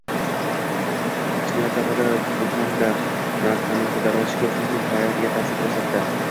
Ijtimoiy sohada "buhanka" narxining ko'tarilishi ko'pchilikning hayotiga ta'sir ko'rsatdi